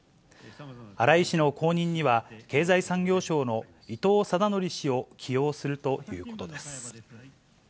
荒井氏の後任には、経済産業省の伊藤貞則氏を起用するということです。